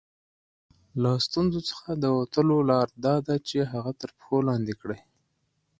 له ستونزو څخه د وتلو لاره دا ده چې هغه تر پښو لاندې کړئ.